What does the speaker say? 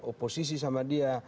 oposisi sama dia